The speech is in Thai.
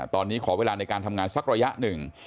ตอนนี้ขอเวลาในการทำงานสักระยะหนึ่ง